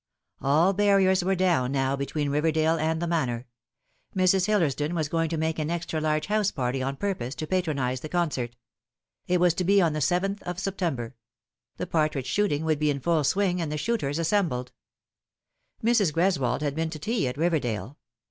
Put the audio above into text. All barriers were down now between Eiverdale and the Manor. Mrs. Hillersdon was going to make an extra large house party on purpose to patronise the concert. It was to be on the 7th of September : the partridge shooting would be in full swing, and the shooters assembled. Mrs. Greswold had been to tea at Riverdale.